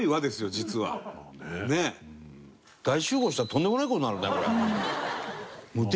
大集合したらとんでもない事になるねこれ。